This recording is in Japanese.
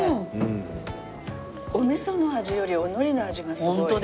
おみその味よりおのりの味がすごい。